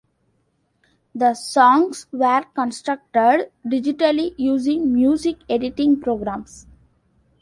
The songs were constructed digitally using music editing programs.